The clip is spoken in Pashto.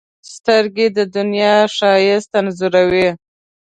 سترګې د دنیا ښایست انځوروي